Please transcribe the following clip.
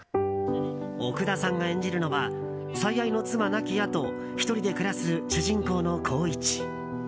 奥田さんが演じるのは最愛の妻亡き後１人で暮らす主人公の浩一。